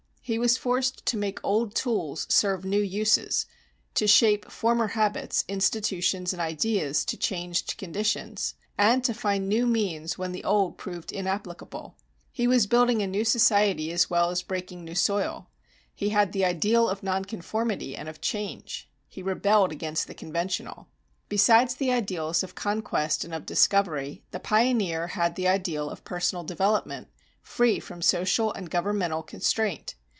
He was forced to make old tools serve new uses; to shape former habits, institutions and ideas to changed conditions; and to find new means when the old proved inapplicable. He was building a new society as well as breaking new soil; he had the ideal of nonconformity and of change. He rebelled against the conventional. Besides the ideals of conquest and of discovery, the pioneer had the ideal of personal development, free from social and governmental constraint.